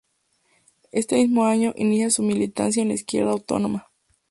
Este mismo año, inicia su militancia en la Izquierda Autónoma.